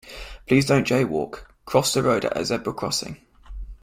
Please don't jay-walk: cross the road at the zebra crossing